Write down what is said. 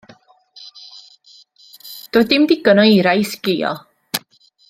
Doedd dim digon o eira i sgïo.